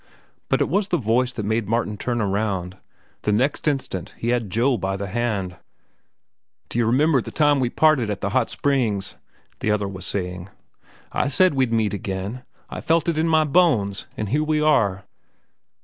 But it was the voice that made Martin turn around. The next instant he had Joe by the hand. "D'ye remember that time we parted at the Hot Springs?" the other was saying. "I said then we'd meet again. I felt it in my bones. An' here we are."